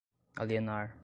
alienar